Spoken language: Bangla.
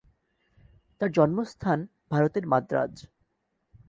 তার জন্মস্থান ভারতের মাদ্রাজ।